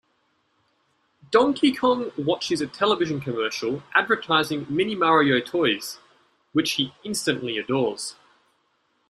Donkey Kong watches a television commercial advertising Mini-Mario toys, which he instantly adores.